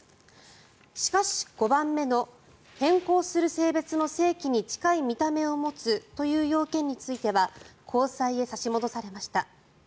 しかし、５番目の変更する性別の性器に近い見た目を持つという要件については高裁へ差し戻されました。